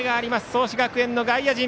創志学園の外野陣。